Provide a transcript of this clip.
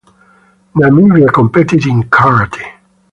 Namibia competed in karate.